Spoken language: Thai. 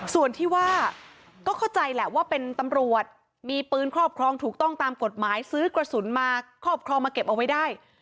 ส่วนที่ว่าก็เข้าใจแหละว่าเป็นตำรวจมีปืนครอบครองถูกต้องตามกฎหมายซื้อกระสุนมาครอบครองมาเก็บเอาไว้ได้